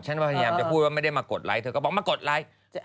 พยายามจะพูดว่าไม่ได้มากดไลคเธอก็บอกมากดไลค์